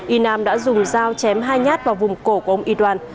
y nam đã dùng dao chém hai nhát vào vùng cổ của ông y đoan